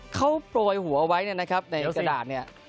เขาโปรยหัวเอาไว้นะครับในกระดาษเนี่ย